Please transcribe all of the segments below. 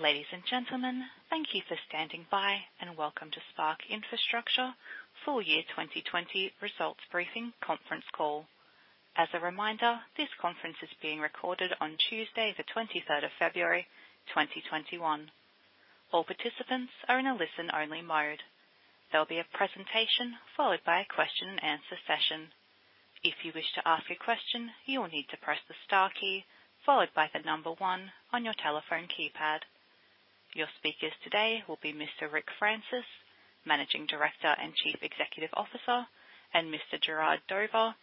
Ladies and gentlemen, thank you for standing by, and welcome to Spark Infrastructure full year 2020 results briefing conference call. As a reminder, this conference is being recorded on Tuesday, the 23rd of February, 2021. All participants are in a listen-only mode. There'll be a presentation followed by a question and answer session. If you wish to ask a question, you will need to press the star key followed by the number one on your telephone keypad. Your speakers today will be Mr. Rick Francis, Managing Director and Chief Executive Officer, and Mr. Gerard Dover,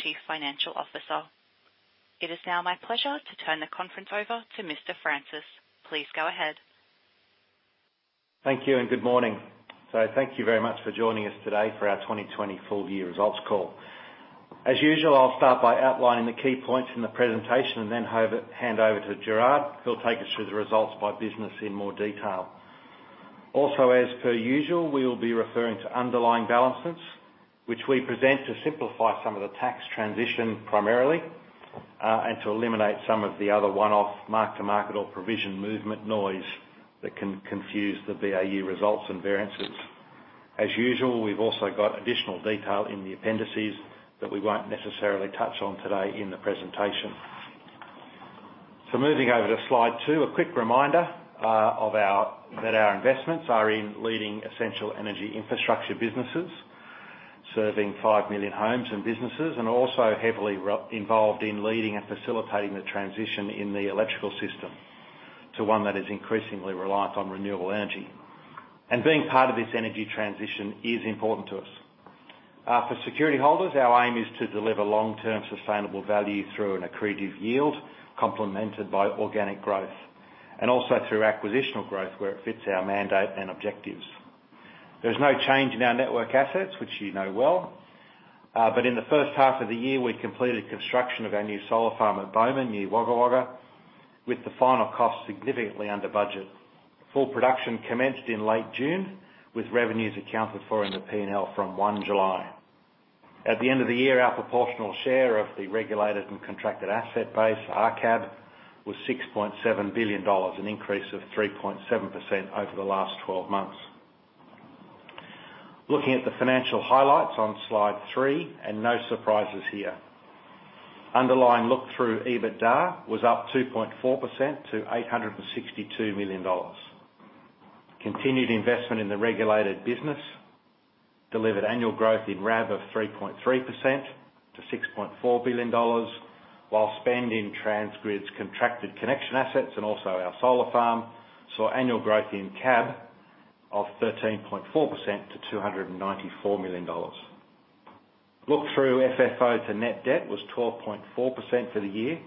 Chief Financial Officer. It is now my pleasure to turn the conference over to Mr. Francis. Please go ahead. Thank you and good morning. Thank you very much for joining us today for our 2020 full year results call. As usual, I'll start by outlining the key points in the presentation and then hand over to Gerard, who'll take us through the results by business in more detail. Also, as per usual, we will be referring to underlying balances, which we present to simplify some of the tax transition primarily, and to eliminate some of the other one-off mark-to-market or provision movement noise that can confuse the BAU results and variances. As usual, we've also got additional detail in the appendices that we won't necessarily touch on today in the presentation. Moving over to slide two, a quick reminder that our investments are in leading essential energy infrastructure businesses serving 5 million homes and businesses, and also heavily involved in leading and facilitating the transition in the electrical system to one that is increasingly reliant on renewable energy. Being part of this energy transition is important to us. For security holders, our aim is to deliver long-term sustainable value through an accretive yield complemented by organic growth, and also through acquisitional growth where it fits our mandate and objectives. There's no change in our network assets, which you know well. In the first half of the year, we completed construction of our new solar farm at Bomen near Wagga Wagga, with the final cost significantly under budget. Full production commenced in late June, with revenues accounted for in the P&L from one July. At the end of the year, our proportional share of the Regulated and Contracted Asset Base, RCAB, was $6.7 billion, an increase of 3.7% over the last 12 months. Looking at the financial highlights on slide three, no surprises here. Underlying look-through EBITDA was up 2.4% to $862 million. Continued investment in the regulated business delivered annual growth in RAV of 3.3% to $6.4 billion, while spend in Transgrid's contracted connection assets and also our solar farm saw annual growth in CAB of 13.4% to $294 million. Look-through FFO to net debt was 12.4% for the year.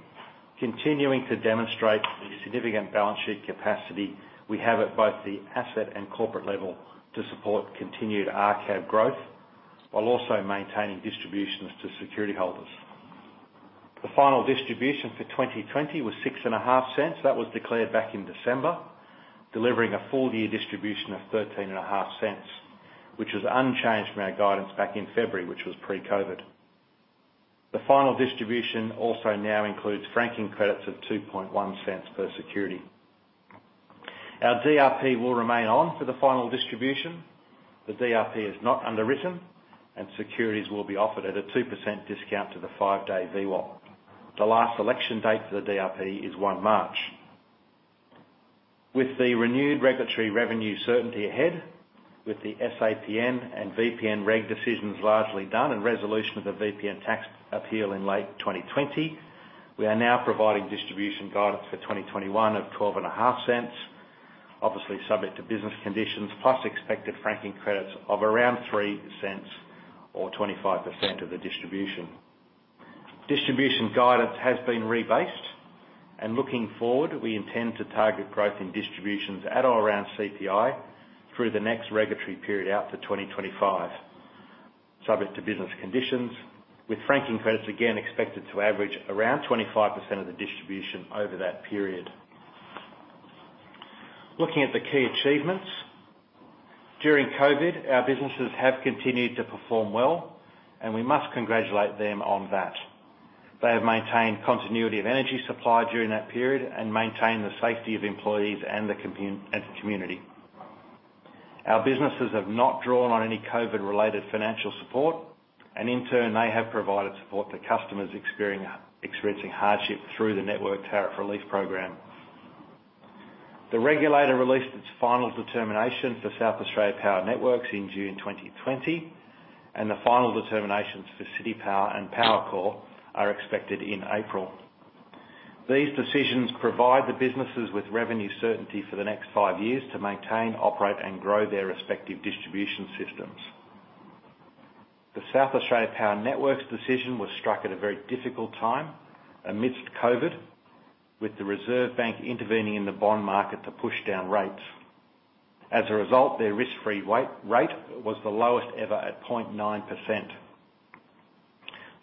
Continuing to demonstrate the significant balance sheet capacity we have at both the asset and corporate level to support continued RCAB growth, while also maintaining distributions to security holders. The final distribution for 2020 was 0.065. That was declared back in December, delivering a full year distribution of 0.135, which was unchanged from our guidance back in February, which was pre-COVID. The final distribution also now includes franking credits of 0.021 per security. Our DRP will remain on for the final distribution. The DRP is not underwritten, and securities will be offered at a 2% discount to the five-day VWAP. The last election date for the DRP is one March. With the renewed regulatory revenue certainty ahead, with the SAPN and VPN reg decisions largely done, and resolution of the VPN tax appeal in late 2020, we are now providing distribution guidance for 2021 of 0.125, obviously subject to business conditions, plus expected franking credits of around 0.03 or 25% of the distribution. Distribution guidance has been rebased. Looking forward, we intend to target growth in distributions at or around CPI through the next regulatory period out to 2025, subject to business conditions, with franking credits again expected to average around 25% of the distribution over that period. Looking at the key achievements, during COVID, our businesses have continued to perform well. We must congratulate them on that. They have maintained continuity of energy supply during that period and maintained the safety of employees and the community. Our businesses have not drawn on any COVID-related financial support. In turn, they have provided support to customers experiencing hardship through the network tariff relief program. The regulator released its final determination for SA Power Networks in June 2020. The final determinations for CitiPower and Powercor are expected in April. These decisions provide the businesses with revenue certainty for the next five years to maintain, operate, and grow their respective distribution systems. The SA Power Networks decision was struck at a very difficult time amidst COVID, with the Reserve Bank of Australia intervening in the bond market to push down rates. As a result, their risk-free rate was the lowest ever at 0.9%.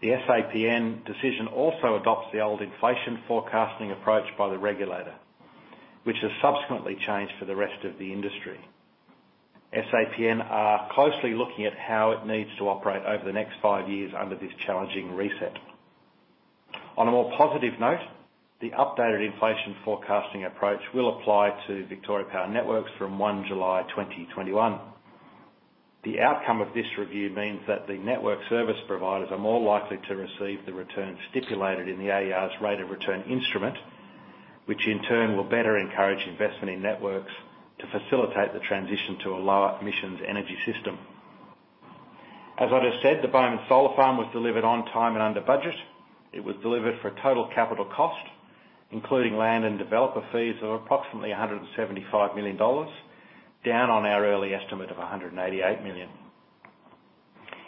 The SAPN decision also adopts the old inflation forecasting approach by the regulator, which has subsequently changed for the rest of the industry. SAPN are closely looking at how it needs to operate over the next five years under this challenging reset. On a more positive note, the updated inflation forecasting approach will apply to Victoria Power Networks from 1 July 2021. The outcome of this review means that the network service providers are more likely to receive the return stipulated in the AER's rate of return instrument, which in turn will better encourage investment in networks to facilitate the transition to a lower emissions energy system. As I just said, the Bomen Solar Farm was delivered on time and under budget. It was delivered for a total capital cost, including land and developer fees of approximately $175 million, down on our early estimate of 188 million.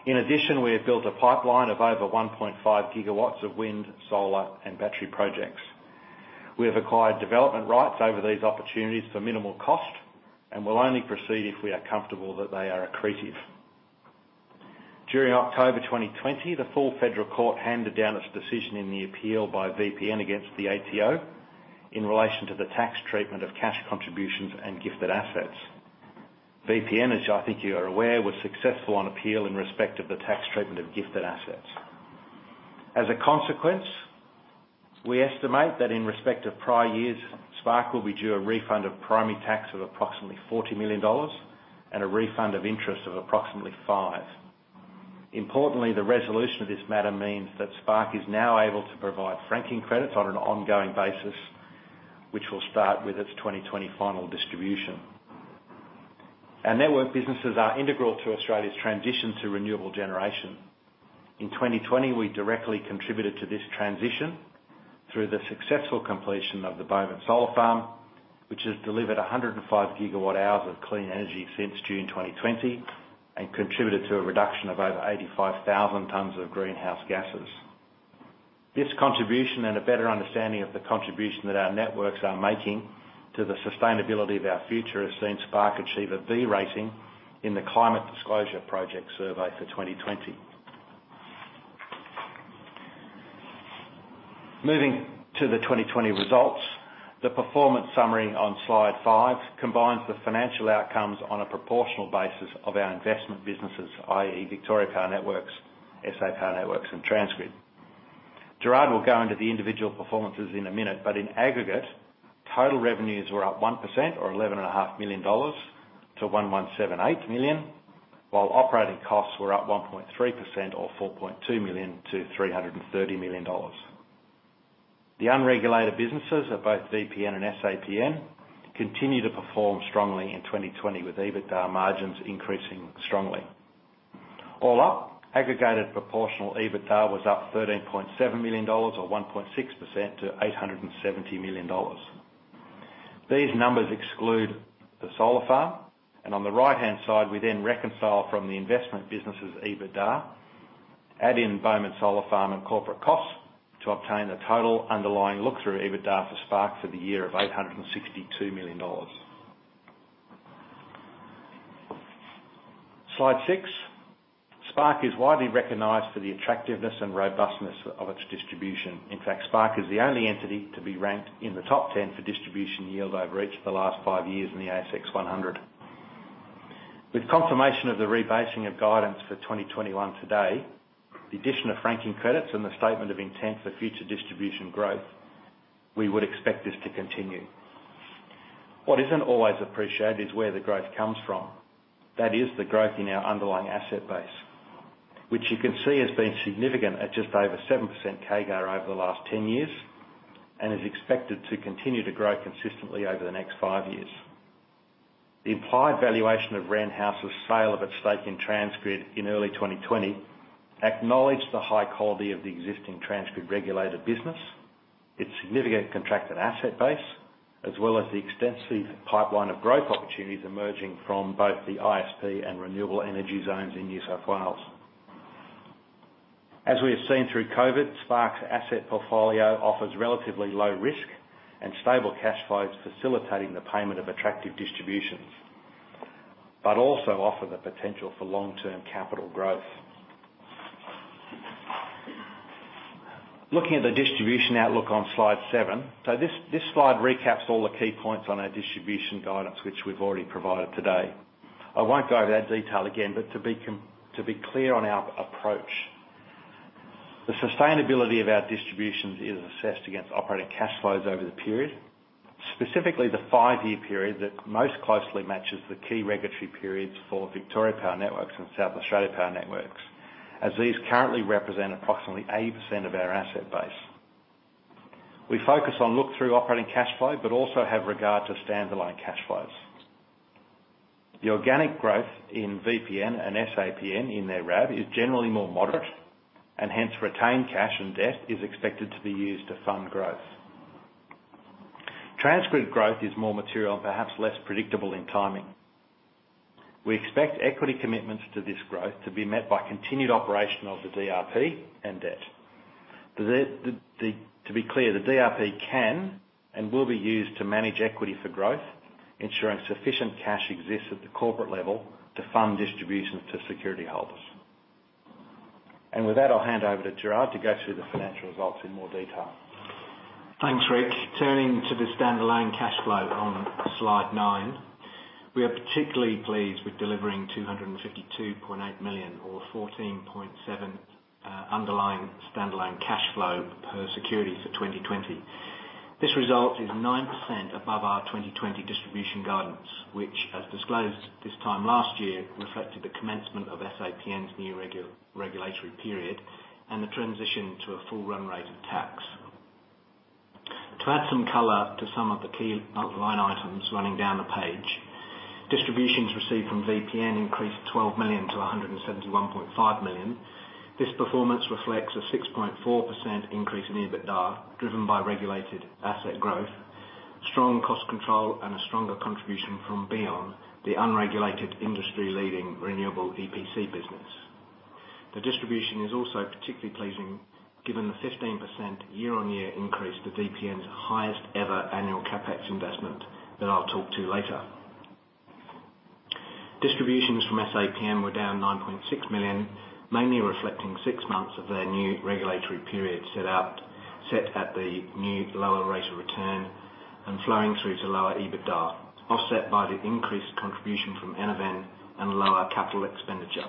In addition, we have built a pipeline of over 1.5 GW of wind, solar, and battery projects. We have acquired development rights over these opportunities for minimal cost, and will only proceed if we are comfortable that they are accretive. During October 2020, the Full Federal Court handed down its decision in the appeal by VPN against the ATO, in relation to the tax treatment of cash contributions and gifted assets. VPN, as I think you are aware, was successful on appeal in respect of the tax treatment of gifted assets. As a consequence, we estimate that in respect of prior years, Spark will be due a refund of primary tax of approximately 40 million dollars and a refund of interest of approximately AUD five. Importantly, the resolution of this matter means that Spark is now able to provide franking credits on an ongoing basis, which will start with its 2020 final distribution. Our network businesses are integral to Australia's transition to renewable generation. In 2020, we directly contributed to this transition through the successful completion of the Bomen Solar Farm, which has delivered 105 gigawatt hours of clean energy since June 2020 and contributed to a reduction of over 85,000 tons of greenhouse gases. This contribution and a better understanding of the contribution that our networks are making to the sustainability of our future has seen Spark achieve a B rating in the Climate Disclosure Project Survey for 2020. Moving to the 2020 results, the performance summary on slide five combines the financial outcomes on a proportional basis of our investment businesses, i.e. Victoria Power Networks, SA Power Networks, and Transgrid. Gerard will go into the individual performances in a minute, but in aggregate, total revenues were up 1% or $11.5 million to $1,178 million, while operating costs were up 1.3% or $4.2 million to $330 million. The unregulated businesses of both VPN and SAPN continue to perform strongly in 2020, with EBITDA margins increasing strongly. All up, aggregated proportional EBITDA was up $13.7 million or 1.6% to $870 million. These numbers exclude the solar farm, and on the right-hand side, we then reconcile from the investment business' EBITDA, add in Bomen Solar Farm and corporate costs to obtain the total underlying look-through EBITDA for Spark for the year of $862 million. Slide six, Spark is widely recognized for the attractiveness and robustness of its distribution. In fact, Spark is the only entity to be ranked in the top 10 for distribution yield over each of the last five years in the ASX 100. With confirmation of the rebasing of guidance for 2021 today, the addition of franking credits and the statement of intent for future distribution growth, we would expect this to continue. What isn't always appreciated is where the growth comes from. That is the growth in our underlying asset base, which you can see has been significant at just over 7% CAGR over the last 10 years, and is expected to continue to grow consistently over the next five years. The implied valuation of Wren House's sale of its stake in Transgrid in early 2020 acknowledged the high quality of the existing Transgrid regulated business, its significant contracted asset base, as well as the extensive pipeline of growth opportunities emerging from both the ISP and renewable energy zones in New South Wales. As we have seen through COVID, Spark's asset portfolio offers relatively low risk and stable cash flows, facilitating the payment of attractive distributions, but also offer the potential for long-term capital growth. Looking at the distribution outlook on slide seven. This slide recaps all the key points on our distribution guidance, which we've already provided today. I won't go over that detail again, but to be clear on our approach, the sustainability of our distributions is assessed against operating cash flows over the period, specifically the five-year period that most closely matches the key regulatory periods for Victoria Power Networks and SA Power Networks, as these currently represent approximately 80% of our asset base. We focus on look-through operating cash flow, but also have regard to standalone cash flows. The organic growth in VPN and SAPN in their RAV is generally more moderate, and hence retained cash and debt is expected to be used to fund growth. Transgrid growth is more material and perhaps less predictable in timing. We expect equity commitments to this growth to be met by continued operation of the DRP and debt. To be clear, the DRP can and will be used to manage equity for growth, ensuring sufficient cash exists at the corporate level to fund distributions to security holders. With that, I'll hand over to Gerard to go through the financial results in more detail. Thanks, Rick. Turning to the standalone cash flow on slide nine. We are particularly pleased with delivering 252.8 million or 14.7 underlying standalone cash flow per security for 2020. This result is 9% above our 2020 distribution guidance, which as disclosed this time last year, reflected the commencement of SAPN's new regulatory period and the transition to a full run rate of tax. To add some color to some of the key outline items running down the page, distributions received from VPN increased 12 million to 171.5 million. This performance reflects a 6.4% increase in EBITDA, driven by regulated asset growth, strong cost control, and a stronger contribution from Beon, the unregulated industry-leading renewable EPC business. The distribution is also particularly pleasing given the 15% year-on-year increase to VPN's highest-ever annual CapEx investment that I'll talk to later. Distributions from SAPN were down 9.6 million, mainly reflecting six months of their new regulatory period set at the new lower rate of return and flowing through to lower EBITDA, offset by the increased contribution from Enerven and lower capital expenditure.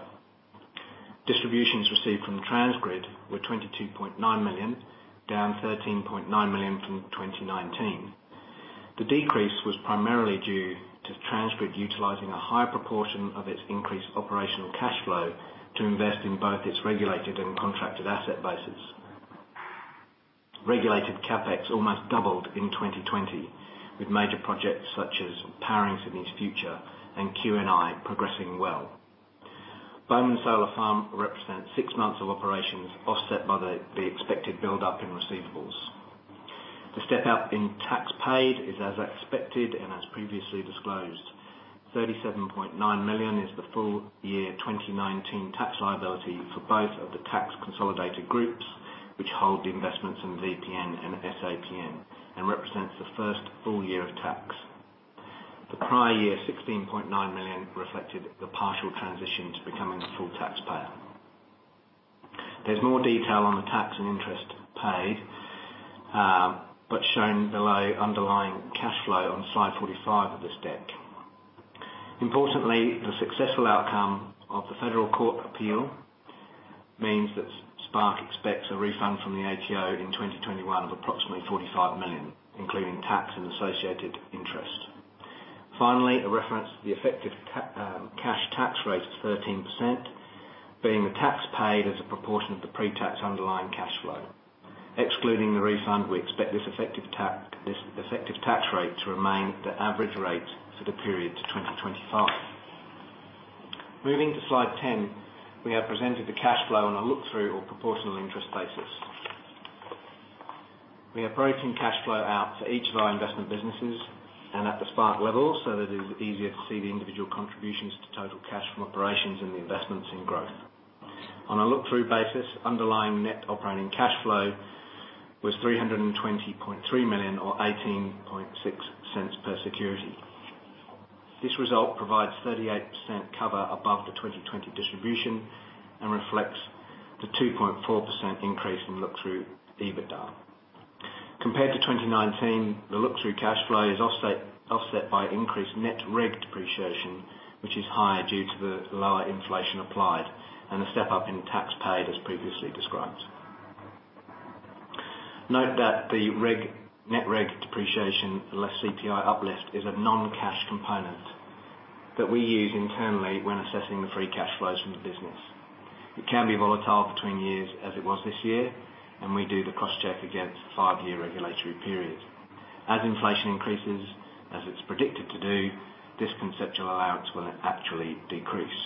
Distributions received from Transgrid were 22.9 million, down 13.9 million from 2019. The decrease was primarily due to Transgrid utilizing a higher proportion of its increased operational cash flow to invest in both its regulated and contracted asset bases. Regulated CapEx almost doubled in 2020, with major projects such as Powering Sydney's Future and QNI progressing well. Bomen Solar Farm represents six months of operations offset by the expected buildup in receivables. The step-up in tax paid is as expected and as previously disclosed. 37.9 million is the full year 2019 tax liability for both of the tax consolidated groups, which hold the investments in VPN and SAPN and represents the first full year of tax. The prior year, 16.9 million reflected the partial transition to becoming a full taxpayer. There's more detail on the tax and interest paid, but shown below underlying cash flow on slide 45 of this deck. Importantly, the successful outcome of the federal court appeal means that Spark expects a refund from the ATO in 2021 of approximately 45 million, including tax and associated interest. Finally, a reference to the effective cash tax rate of 13%, being the tax paid as a proportion of the pre-tax underlying cash flow. Excluding the refund, we expect this effective tax rate to remain the average rate for the period to 2025. Moving to slide 10, we have presented the cash flow on a look-through or proportional interest basis. We are breaking cash flow out for each of our investment businesses and at the Spark level so that it is easier to see the individual contributions to total cash from operations and the investments in growth. On a look-through basis, underlying net operating cash flow was 320.3 million, or 0.186 per security. This result provides 38% cover above the 2020 distribution and reflects the 2.4% increase in look-through EBITDA. Compared to 2019, the look-through cash flow is offset by increased net reg depreciation, which is higher due to the lower inflation applied and a step-up in tax paid as previously described. Note that the net reg depreciation less CPI uplift is a non-cash component that we use internally when assessing the free cash flows from the business. It can be volatile between years as it was this year, and we do the cross-check against the five-year regulatory period. As inflation increases, as it's predicted to do, this conceptual allowance will actually decrease.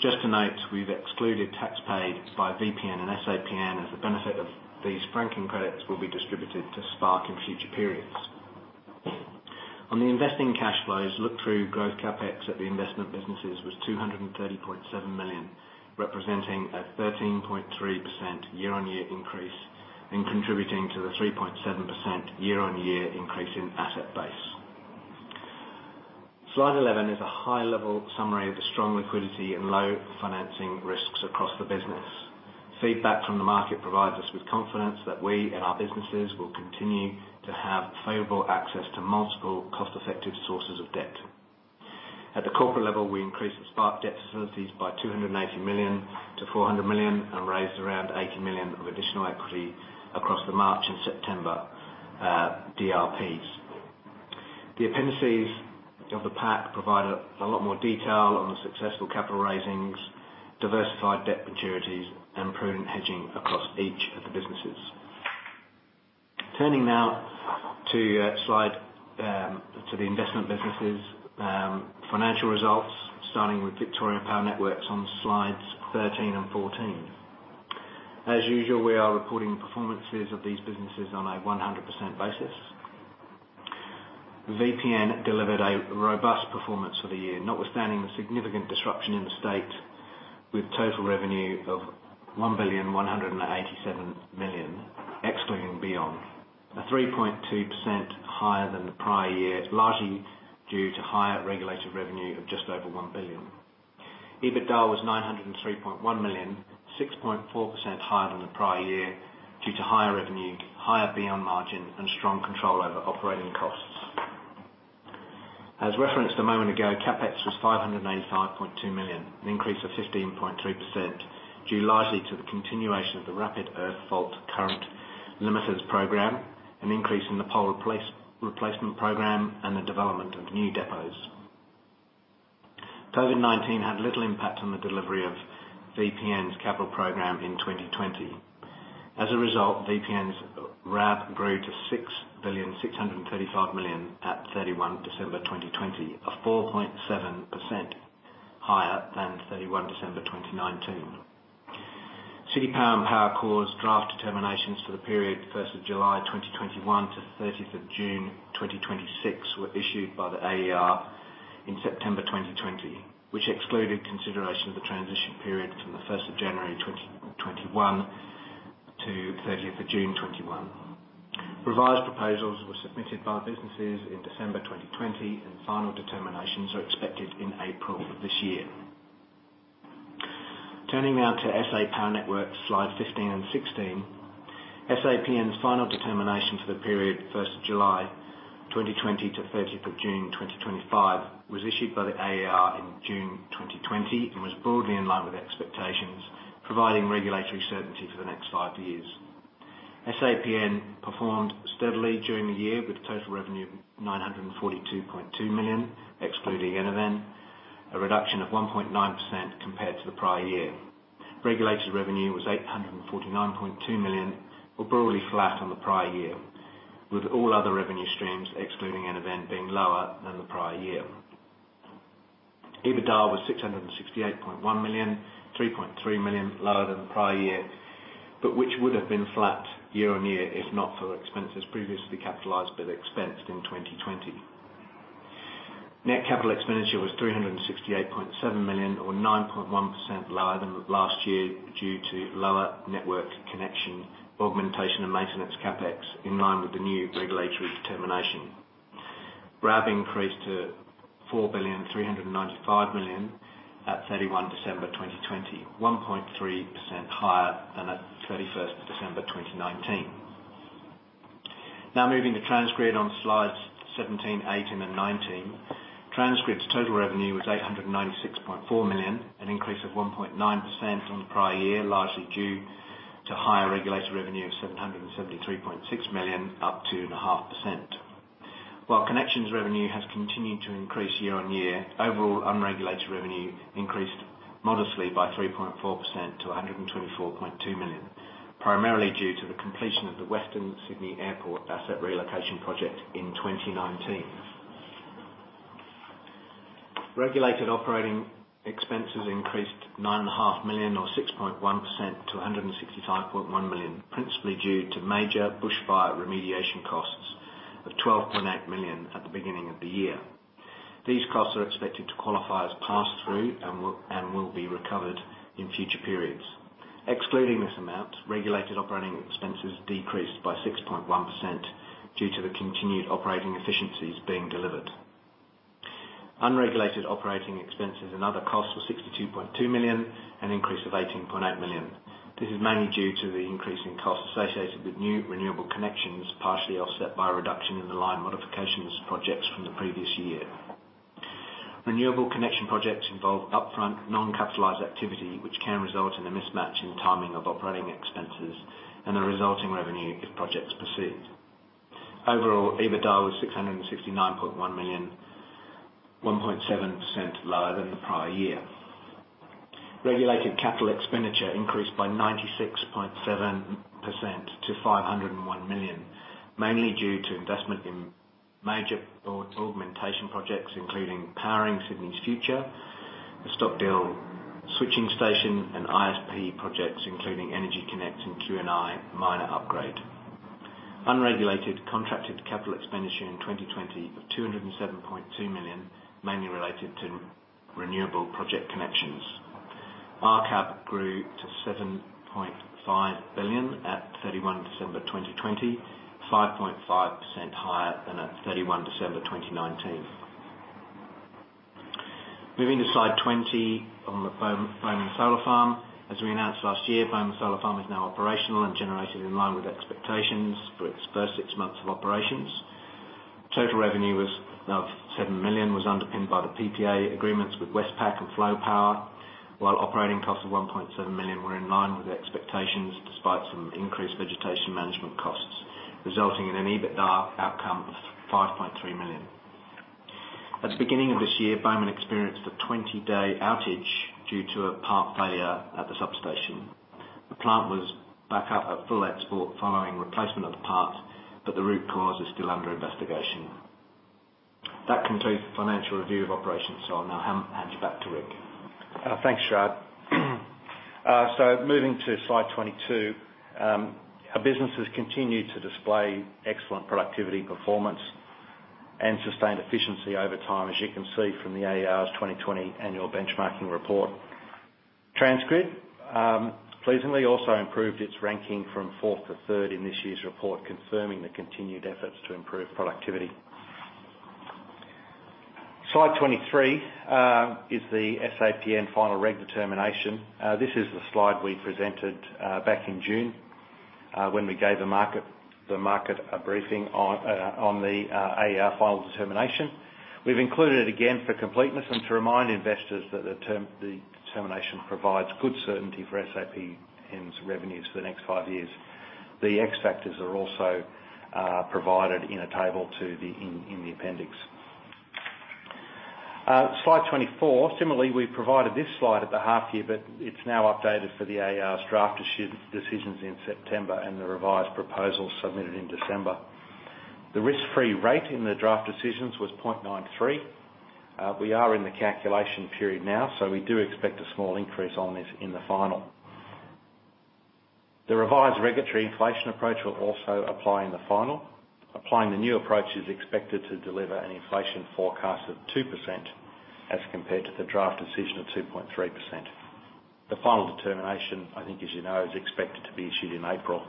Just to note, we've excluded tax paid by VPN and SAPN as the benefit of these franking credits will be distributed to Spark in future periods. On the investing cash flows, look-through growth CapEx at the investment businesses was 230.7 million, representing a 13.3% year-on-year increase and contributing to the 3.7% year-on-year increase in asset base. Slide 11 is a high-level summary of the strong liquidity and low financing risks across the business. Feedback from the market provides us with confidence that we and our businesses will continue to have favorable access to multiple cost-effective sources of debt. At the corporate level, we increased the Spark debt facilities by 280 million to 400 million and raised around 80 million of additional equity across the March and September DRPs. The appendices of the pack provide a lot more detail on the successful capital raisings, diversified debt maturities, and prudent hedging across each of the businesses. Turning now to the investment businesses financial results, starting with Victoria Power Networks on slides 13 and 14. As usual, we are recording performances of these businesses on a 100% basis. VPN delivered a robust performance for the year, notwithstanding the significant disruption in the state with total revenue of 1,187,000,000, excluding Beon. 3.2% higher than the prior year, largely due to higher regulated revenue of just over 1 billion. EBITDA was 903.1 million, 6.4% higher than the prior year, due to higher revenue, higher BM margin, and strong control over operating costs. As referenced a moment ago, CapEx was 585.2 million, an increase of 15.2%, due largely to the continuation of the Rapid Earth Fault Current Limiters program, an increase in the pole replacement program, and the development of new depots. COVID-19 had little impact on the delivery of VPN's capital program in 2020. As a result, VPN's RAV grew to 6,635 million at 31 December 2020, a 4.7% higher than 31 December 2019. CitiPower and Powercor's draft determinations for the period 1st of July 2021 to 30th of June 2026 were issued by the AER in September 2020, which excluded consideration of the transition period from the 1st of January 2021 to 30th of June 2021. Revised proposals were submitted by businesses in December 2020, and final determinations are expected in April of this year. Turning now to SA Power Networks, slide 15 and 16. SAPN's final determination for the period 1st of July 2020 to 30th of June 2025 was issued by the AER in June 2020 and was broadly in line with expectations, providing regulatory certainty for the next five years. SAPN performed steadily during the year, with a total revenue of 942.2 million, excluding NNE, a reduction of 1.9% compared to the prior year. Regulated revenue was 849.2 million or broadly flat on the prior year, with all other revenue streams, excluding NNE, being lower than the prior year. EBITDA was 668.1 million, 3.3 million lower than the prior year, but which would have been flat year-on-year if not for expenses previously capitalized but expensed in 2020. Net capital expenditure was 368.7 million or 9.1% lower than last year due to lower network connection augmentation and maintenance CapEx in line with the new regulatory determination. RAV increased to 4,395 million at 31 December 2020, 1.3% higher than at 31st of December 2019. Moving to TransGrid on slides 17, 18, and 19. TransGrid's total revenue was 896.4 million, an increase of 1.9% on the prior year, largely due to higher regulated revenue of 773.6 million, up 2.5%. While connections revenue has continued to increase year on year, overall unregulated revenue increased modestly by 3.4% to 124.2 million, primarily due to the completion of the Western Sydney Airport asset relocation project in 2019. Regulated operating expenses increased 9.5 million or 6.1% to 165.1 million, principally due to major bush fire remediation costs of 12.8 million at the beginning of the year. These costs are expected to qualify as pass through and will be recovered in future periods. Excluding this amount, regulated operating expenses decreased by 6.1% due to the continued operating efficiencies being delivered. Unregulated operating expenses and other costs were 62.2 million, an increase of 18.8 million. This is mainly due to the increase in costs associated with new renewable connections, partially offset by a reduction in the line modifications projects from the previous year. Renewable connection projects involve upfront non-capitalized activity, which can result in a mismatch in timing of operating expenses and the resulting revenue if projects proceed. Overall, EBITDA was 669.1 million, 1.7% lower than the prior year. Regulated capital expenditure increased by 96.7% to 501 million, mainly due to investment in major augmentation projects, including Powering Sydney's Future, the Stockdill switching station, and ISP projects, including EnergyConnect and QNI Minor upgrade. Unregulated contracted capital expenditure in 2020 of 207.2 million, mainly related to renewable project connections. RCAB grew to 7.5 billion at 31 December 2020, 5.5% higher than at 31 December 2019. Moving to slide 20 on the Bomen Solar Farm. As we announced last year, Bomen Solar Farm is now operational and generating in line with expectations for its first six months of operations. Total revenue of 7 million was underpinned by the PPA agreements with Westpac and Flow Power, while operating costs of 1.7 million were in line with the expectations despite some increased vegetation management costs, resulting in an EBITDA outcome of 5.3 million. At the beginning of this year, Bomen experienced a 20-day outage due to a part failure at the substation. The plant was back up at full export following replacement of the part, but the root cause is still under investigation. That concludes the financial review of operations. I'll now hand you back to Rick. Thanks, Gerard. Moving to slide 22. Our businesses continue to display excellent productivity performance and sustained efficiency over time, as you can see from the AER's 2020 Annual Benchmarking Report. Transgrid, pleasingly, also improved its ranking from fourth to third in this year's report, confirming the continued efforts to improve productivity. Slide 23 is the SAPN final reg determination. This is the slide we presented back in June, when we gave the market a briefing on the AER final determination. We've included it again for completeness and to remind investors that the determination provides good certainty for SAPN's revenues for the next five years. The X factors are also provided in a table in the appendix. Slide 24. Similarly, we provided this slide at the half year, but it's now updated for the AER's draft decisions in September and the revised proposals submitted in December. The risk-free rate in the draft decisions was 0.93. We are in the calculation period now, so we do expect a small increase on this in the final. The revised regulatory inflation approach will also apply in the final. Applying the new approach is expected to deliver an inflation forecast of 2%, as compared to the draft decision of 2.3%. The final determination, I think as you know, is expected to be issued in April.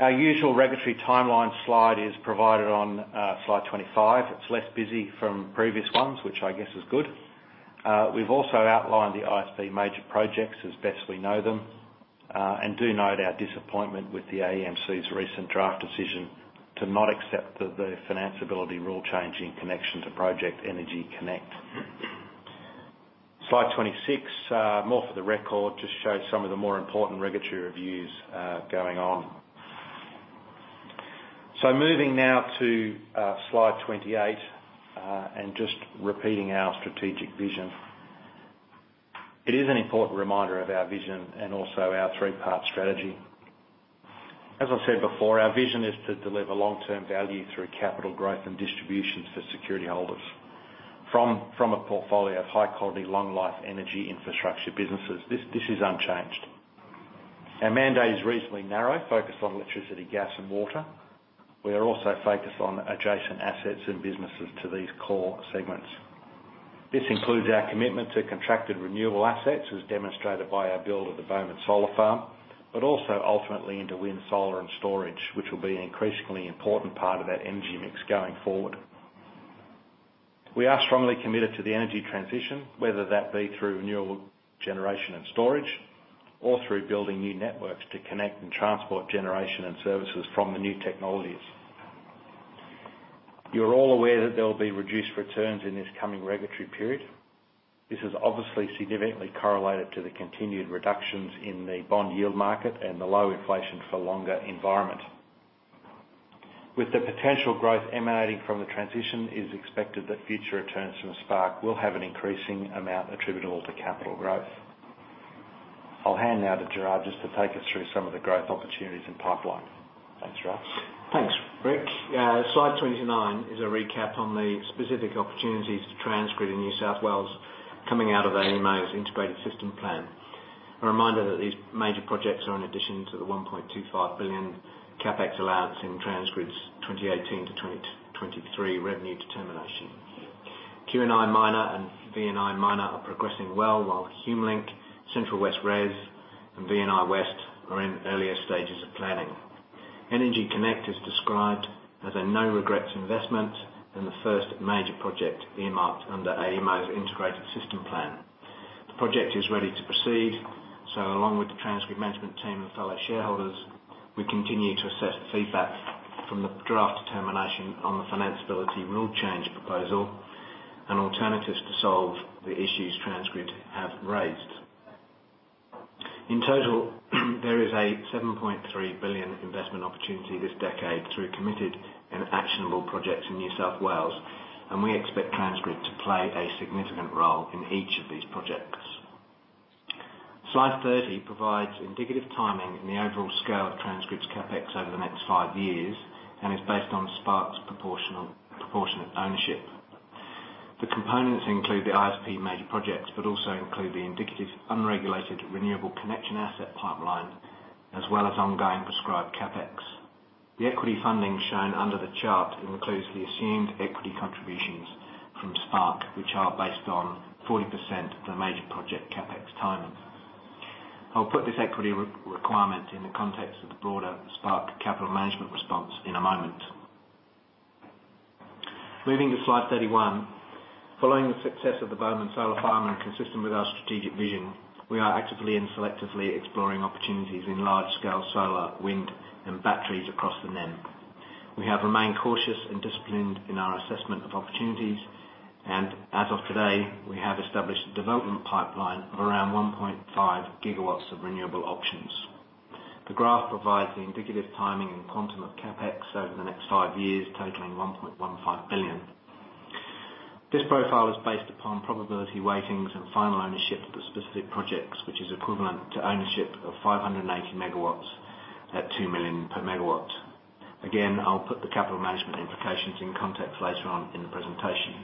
Our usual regulatory timeline slide is provided on slide 25. It's less busy from previous ones, which I guess is good. We've also outlined the ISP major projects as best we know them, and do note our disappointment with the AEMC's recent draft decision to not accept the finance ability rule change in connection to Project EnergyConnect. Slide 26, more for the record, just shows some of the more important regulatory reviews going on. Moving now to slide 28, and just repeating our strategic vision. It is an important reminder of our vision and also our three-part strategy. As I said before, our vision is to deliver long-term value through capital growth and distributions for security holders from a portfolio of high-quality, long-life energy infrastructure businesses. This is unchanged. Our mandate is reasonably narrow, focused on electricity, gas, and water. We are also focused on adjacent assets and businesses to these core segments. This includes our commitment to contracted renewable assets, as demonstrated by our build of the Bomen Solar Farm, but also ultimately into wind, solar, and storage, which will be an increasingly important part of that energy mix going forward. We are strongly committed to the energy transition, whether that be through renewable generation and storage or through building new networks to connect and transport generation and services from the new technologies. You're all aware that there will be reduced returns in this coming regulatory period. This is obviously significantly correlated to the continued reductions in the bond yield market and the low inflation for longer environment. With the potential growth emanating from the transition, it is expected that future returns from Spark will have an increasing amount attributable to capital growth. I'll hand now to Gerard just to take us through some of the growth opportunities and pipeline. Thanks, Gerard. Thanks, Rick. Slide 29 is a recap on the specific opportunities to Transgrid in New South Wales coming out of AEMO's integrated system plan. A reminder that these major projects are an addition to the 1.25 billion CapEx allowance in Transgrid's 2018 to 2023 revenue determination. QNI Minor and VNI Minor are progressing well while HumeLink, Central-West REZ, and VNI West are in earlier stages of planning. EnergyConnect is described as a no-regrets investment and the first major project earmarked under AEMO's integrated system plan. Along with the Transgrid management team and fellow shareholders, we continue to assess feedback from the draft determination on the financability rule change proposal and alternatives to solve the issues Transgrid have raised. In total, there is an 7.3 billion investment opportunity this decade through committed and actionable projects in New South Wales, and we expect Transgrid to play a significant role in each of these projects. Slide 30 provides indicative timing in the overall scale of Transgrid's CapEx over the next five years and is based on Spark's proportionate ownership. The components include the ISP major projects, but also include the indicative unregulated renewable connection asset pipeline, as well as ongoing prescribed CapEx. The equity funding shown under the chart includes the assumed equity contributions from Spark, which are based on 40% of the major project CapEx timing. I'll put this equity requirement in the context of the broader Spark capital management response in a moment. Moving to slide 31. Following the success of the Bomen Solar Farm and consistent with our strategic vision, we are actively and selectively exploring opportunities in large-scale solar, wind, and batteries across the NEM. We have remained cautious and disciplined in our assessment of opportunities, and as of today, we have established a development pipeline of around 1.5 gigawatts of renewable options. The graph provides the indicative timing and quantum of CapEx over the next five years, totaling 1.15 billion. This profile is based upon probability weightings and final ownership of the specific projects, which is equivalent to ownership of 580 megawatts at 2 million per megawatt. I'll put the capital management implications in context later on in the presentation.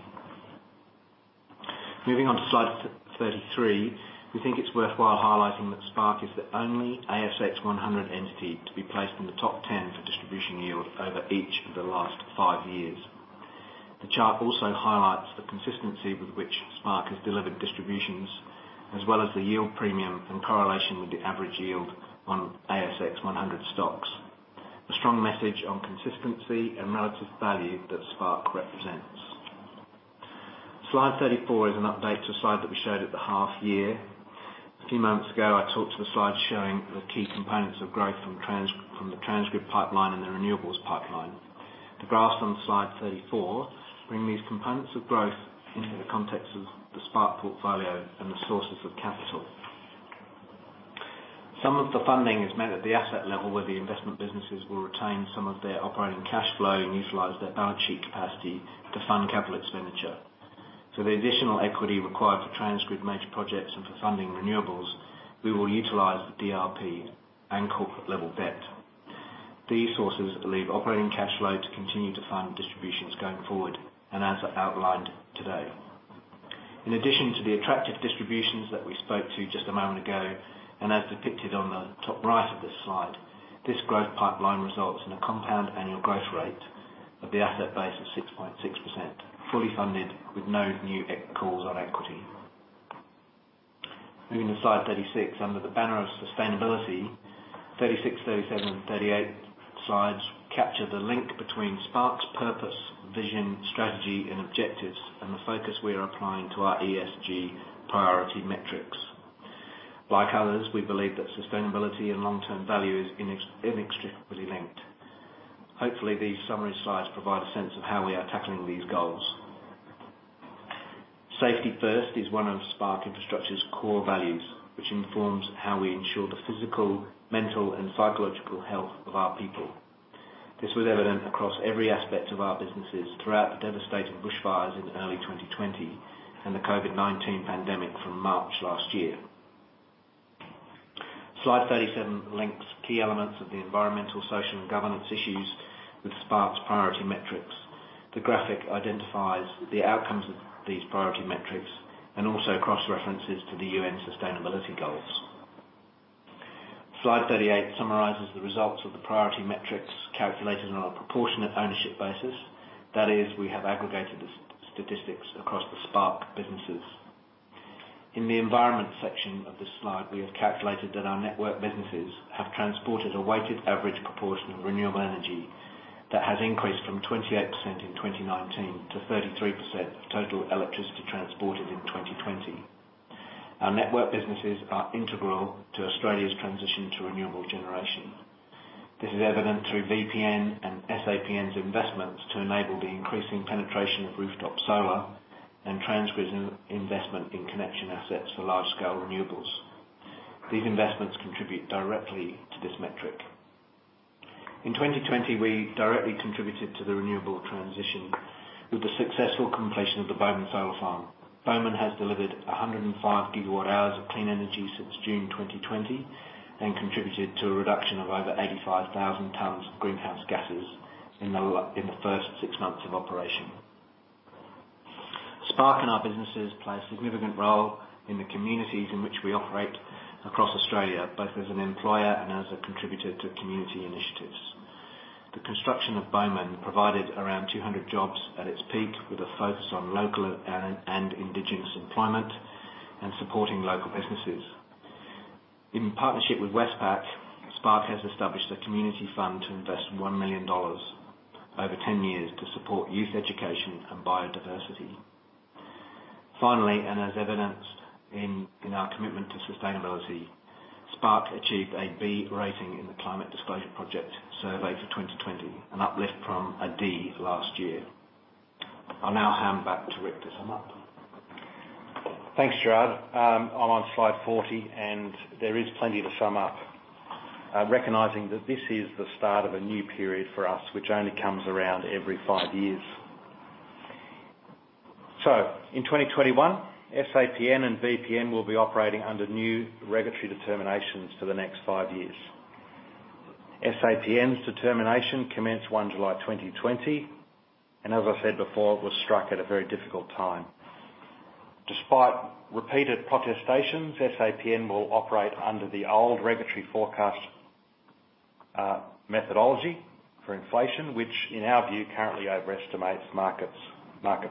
Moving on to slide 33. We think it's worthwhile highlighting that Spark is the only ASX 100 entity to be placed in the top 10 for distribution yield over each of the last five years. The chart also highlights the consistency with which Spark has delivered distributions, as well as the yield premium and correlation with the average yield on ASX 100 stocks. A strong message on consistency and relative value that Spark represents. Slide 34 is an update to a slide that we showed at the half year. A few moments ago, I talked to the slide showing the key components of growth from the Transgrid pipeline and the renewables pipeline. The graphs on slide 34 bring these components of growth into the context of the Spark portfolio and the sources of capital. Some of the funding is met at the asset level, where the investment businesses will retain some of their operating cash flow and utilize their balance sheet capacity to fund capital expenditure. The additional equity required for Transgrid major projects and for funding renewables, we will utilize the DRP and corporate level debt. These sources leave operating cash flow to continue to fund distributions going forward and as outlined today. In addition to the attractive distributions that we spoke to just a moment ago and as depicted on the top right of this slide, this growth pipeline results in a compound annual growth rate of the asset base of 6.6%, fully funded with no new calls on equity. Moving to slide 36, under the banner of sustainability, 36, 37 and 38 slides capture the link between Spark's purpose, vision, strategy, and objectives, and the focus we are applying to our ESG priority metrics. Like others, we believe that sustainability and long-term value is inextricably linked. Hopefully, these summary slides provide a sense of how we are tackling these goals. Safety first is one of Spark Infrastructure's core values, which informs how we ensure the physical, mental, and psychological health of our people. This was evident across every aspect of our businesses throughout the devastating bushfires in early 2020 and the COVID-19 pandemic from March last year. Slide 37 links key elements of the environmental, social, and governance issues with Spark's priority metrics. The graphic identifies the outcomes of these priority metrics and also cross-references to the UN sustainability goals. Slide 38 summarizes the results of the priority metrics calculated on a proportionate ownership basis. That is, we have aggregated the statistics across the Spark businesses. In the environment section of this slide, we have calculated that our network businesses have transported a weighted average proportion of renewable energy that has increased from 28% in 2019 to 33% of total electricity transported in 2020. Our network businesses are integral to Australia's transition to renewable generation. This is evident through VPN and SAPN's investments to enable the increasing penetration of rooftop solar and Transgrid's investment in connection assets for large-scale renewables. These investments contribute directly to this metric. In 2020, we directly contributed to the renewable transition with the successful completion of the Bomen Solar Farm. Bomen has delivered 105 gigawatt hours of clean energy since June 2020 and contributed to a reduction of over 85,000 tonnes of greenhouse gases in the first six months of operation. Spark and our businesses play a significant role in the communities in which we operate across Australia, both as an employer and as a contributor to community initiatives. The construction of Bomen provided around 200 jobs at its peak, with a focus on local and Indigenous employment and supporting local businesses. In partnership with Westpac, Spark has established a community fund to invest $1 million over 10 years to support youth education and biodiversity. Finally, as evidenced in our commitment to sustainability, Spark achieved a B rating in the Climate Disclosure Project survey for 2020, an uplift from a D last year. I'll now hand back to Rick to sum up. Thanks, Gerard. I'm on slide 40. There is plenty to sum up. Recognizing that this is the start of a new period for us, which only comes around every five years. In 2021, SAPN and VPN will be operating under new regulatory determinations for the next five years. SAPN's determination commenced 1 July 2020. As I said before, it was struck at a very difficult time. Despite repeated protestations, SAPN will operate under the old regulatory forecast methodology for inflation, which in our view, currently overestimates market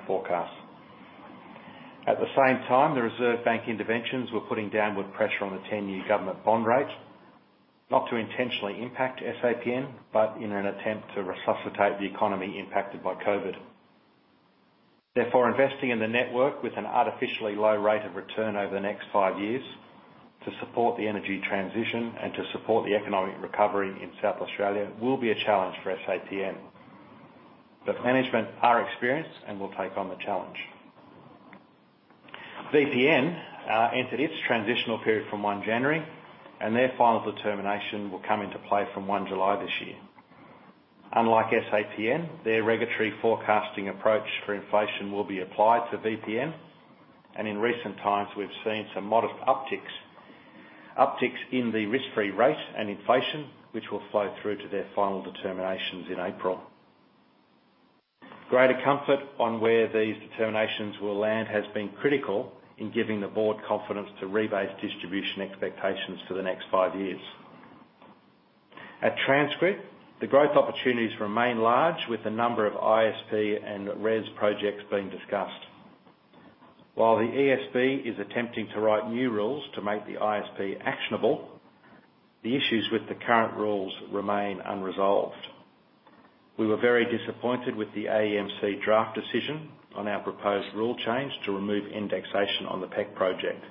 forecasts. At the same time, the Reserve Bank interventions were putting downward pressure on the 10-year government bond rate, not to intentionally impact SAPN, but in an attempt to resuscitate the economy impacted by COVID. Before investing in the network with an artificially low rate of return over the next five years to support the energy transition and to support the economic recovery in South Australia will be a challenge for SAPN. Management are experienced and will take on the challenge. VPN entered its transitional period from 1 January, and their final determination will come into play from 1 July this year. Unlike SAPN, their regulatory forecasting approach for inflation will be applied to VPN, and in recent times, we've seen some modest upticks. Upticks in the risk-free rate and inflation, which will flow through to their final determinations in April. Greater comfort on where these determinations will land has been critical in giving the board confidence to rebase distribution expectations for the next five years. At Transgrid, the growth opportunities remain large, with a number of ISP and REZ projects being discussed. While the ESB is attempting to write new rules to make the ISP actionable, the issues with the current rules remain unresolved. We were very disappointed with the AEMC draft decision on our proposed rule change to remove indexation on the PEC project.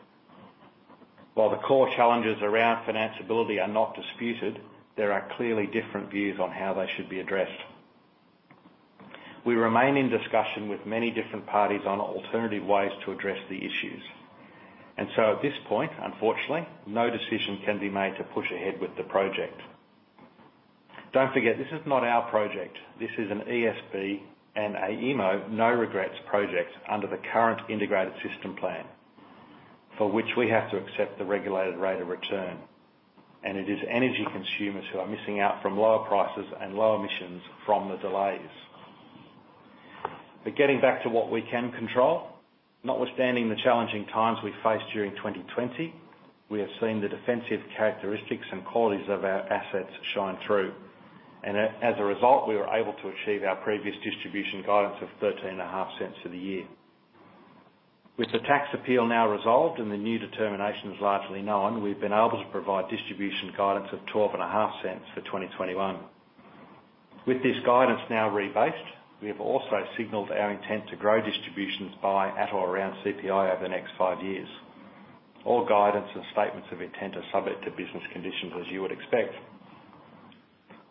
While the core challenges around financeability are not disputed, there are clearly different views on how they should be addressed. We remain in discussion with many different parties on alternative ways to address the issues. At this point, unfortunately, no decision can be made to push ahead with the project. Don't forget, this is not our project. This is an ESB and AEMO no-regrets project under the current integrated system plan, for which we have to accept the regulated rate of return. It is energy consumers who are missing out from lower prices and lower emissions from the delays. Getting back to what we can control, notwithstanding the challenging times we faced during 2020, we have seen the defensive characteristics and qualities of our assets shine through, and as a result, we were able to achieve our previous distribution guidance of 0.135 for the year. With the tax appeal now resolved and the new determinations largely known, we have been able to provide distribution guidance of 0.125 for 2021. With this guidance now rebased, we have also signaled our intent to grow distributions by at or around CPI over the next five years. All guidance and statements of intent are subject to business conditions, as you would expect.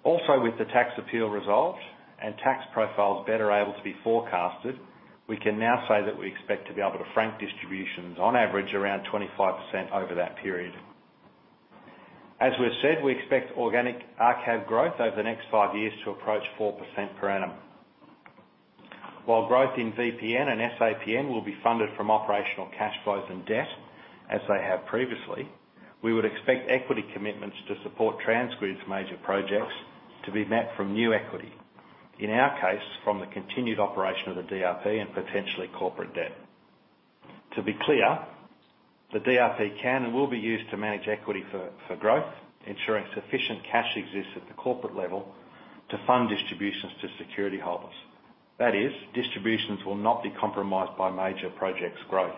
Also, with the tax appeal resolved and tax profiles better able to be forecasted, we can now say that we expect to be able to frank distributions on average around 25% over that period. As we've said, we expect organic RCAB growth over the next five years to approach 4% per annum. While growth in VPN and SAPN will be funded from operational cash flows and debt, as they have previously, we would expect equity commitments to support Transgrid's major projects to be met from new equity, in our case, from the continued operation of the DRP and potentially corporate debt. To be clear, the DRP can and will be used to manage equity for growth, ensuring sufficient cash exists at the corporate level to fund distributions to security holders. That is, distributions will not be compromised by major projects growth.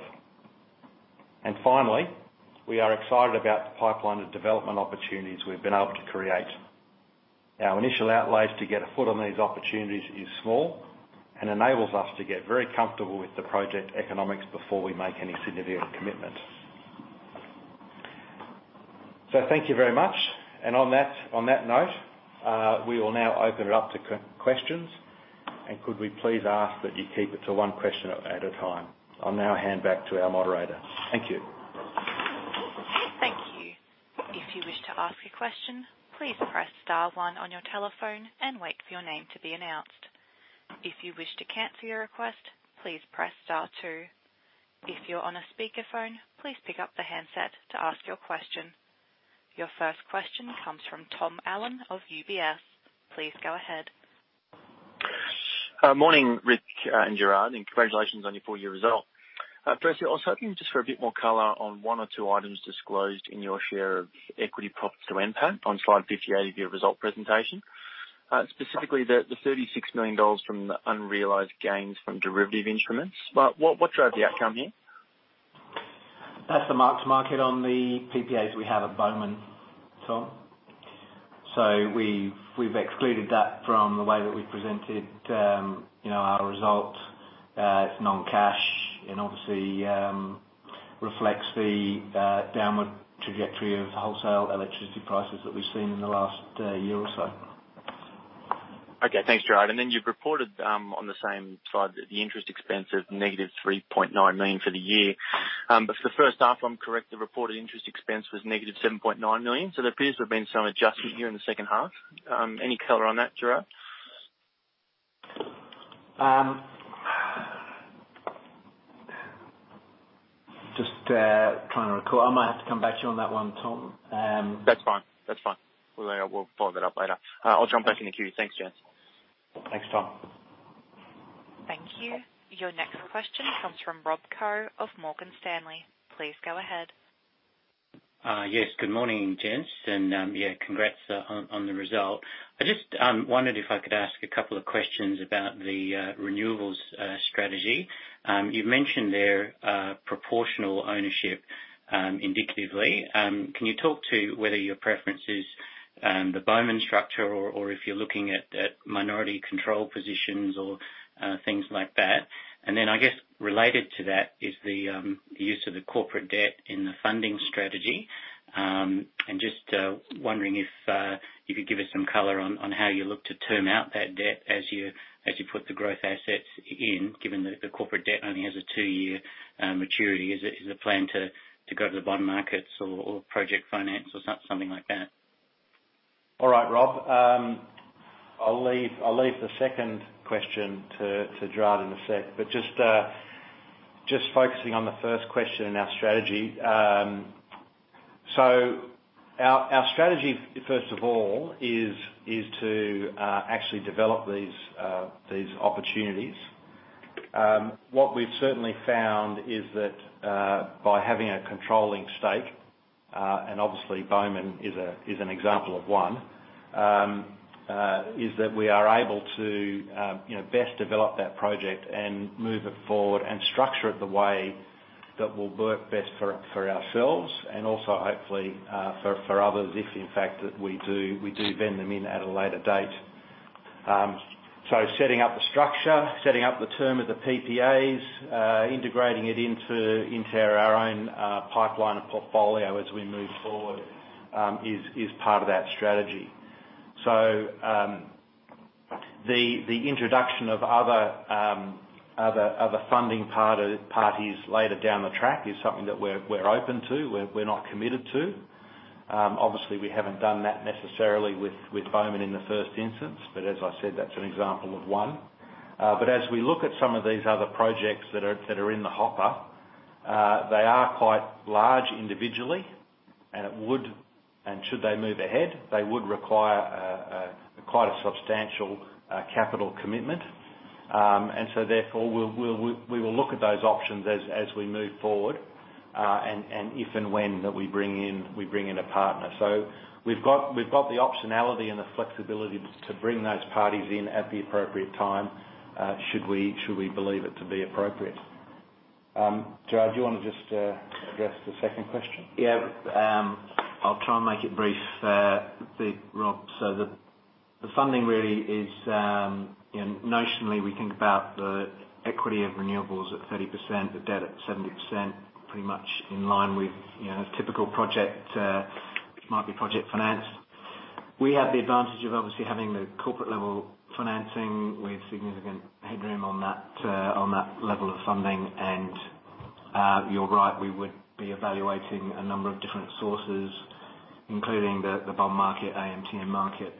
Finally, we are excited about the pipeline of development opportunities we've been able to create. Our initial outlays to get a foot on these opportunities is small and enables us to get very comfortable with the project economics before we make any significant commitment. Thank you very much. On that note, we will now open it up to questions. Could we please ask that you keep it to one question at a time. I'll now hand back to our moderator. Thank you. Thank you. If you wish to ask a question please press star one on your telephone and wait for your name to be announced. If you wish to cancel your request please press star two. If you are on the speaker phone please pick up the headset to ask your question. Your first question comes from Tom Allen of UBS. Please go ahead. Morning, Rick and Gerard, congratulations on your full year result. Firstly, I was hoping just for a bit more color on one or two items disclosed in your share of equity profit to NPAT on slide 58 of your result presentation. Specifically, the $36 million from the unrealized gains from derivative instruments. What drove the outcome here? That's the mark-to-market on the PPAs we have at Bomen, Tom. We've excluded that from the way that we presented our result. It's non-cash and obviously reflects the downward trajectory of wholesale electricity prices that we've seen in the last year or so. Okay. Thanks, Gerard. You've reported on the same slide the interest expense of negative 3.9 million for the year. For the first half, if I'm correct, the reported interest expense was negative 7.9 million. There appears to have been some adjustment here in the second half. Any color on that, Gerard? Just trying to recall. I might have to come back to you on that one, Tom. That's fine. We'll follow that up later. I'll jump back in the queue. Thanks, gents. Thanks, Tom. Thank you. Your next question comes from Rob Koh of Morgan Stanley. Please go ahead. Yes, good morning, gents. Yeah, congrats on the result. I just wondered if I could ask a couple of questions about the renewables strategy. You've mentioned there proportional ownership indicatively. Can you talk to whether your preference is the Bomen structure or if you're looking at minority control positions or things like that? Then I guess related to that is the use of the corporate debt in the funding strategy. And just wondering if you could give us some color on how you look to term out that debt as you put the growth assets in, given that the corporate debt only has a two-year maturity. Is the plan to go to the bond markets or project finance or something like that? All right, Rob. I'll leave the second question to Gerard in a sec, but just focusing on the first question in our strategy. Our strategy, first of all, is to actually develop these opportunities. What we've certainly found is that by having a controlling stake, and obviously Bomen is an example of one, is that we are able to best develop that project and move it forward and structure it the way that will work best for ourselves and also hopefully for others, if in fact that we do vend them in at a later date. Setting up the structure, setting up the term of the PPAs, integrating it into our own pipeline of portfolio as we move forward, is part of that strategy. The introduction of other funding parties later down the track is something that we're open to, we're not committed to. Obviously, we haven't done that necessarily with Bomen in the first instance, but as I said, that's an example of one. As we look at some of these other projects that are in the hopper, they are quite large individually, and should they move ahead, they would require quite a substantial capital commitment. Therefore we will look at those options as we move forward, and if and when that we bring in a partner. We've got the optionality and the flexibility to bring those parties in at the appropriate time, should we believe it to be appropriate. Gerard, do you want to just address the second question? Yeah. I'll try and make it brief, Rob. The funding really is, notionally we think about the equity of renewables at 30%, the debt at 70%, pretty much in line with a typical project, which might be project finance. We have the advantage of obviously having the corporate level financing with significant headroom on that level of funding, and you're right, we would be evaluating a number of different sources, including the bond market, AMTN market,